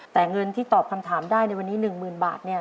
แต่เงินที่ตอบคำถามได้ในวันนี้๑๐๐๐บาทเนี่ย